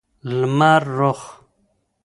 لمررخ